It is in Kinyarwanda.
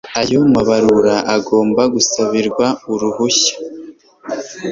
Ayo mabarura agomba gusabirwa uruhushya